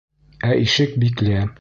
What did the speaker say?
Ә ишек бикле!